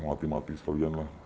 mati mati sekalian lah